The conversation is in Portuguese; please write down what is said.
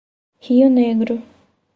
Rio Negro